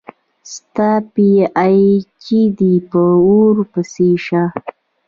ستا پي ایچ ډي په اوور پسي شه